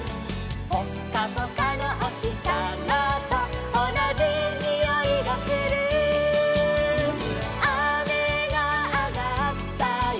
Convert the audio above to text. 「ぽっかぽかのおひさまとおなじにおいがする」「あめがあがったよ」